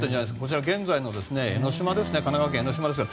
こちら、現在の神奈川県・江の島ですね。